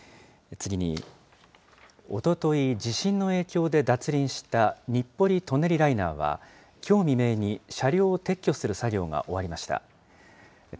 次に、おととい、地震の影響で脱輪した日暮里・舎人ライナーはきょう未明に車両を撤去する作業が終わりました。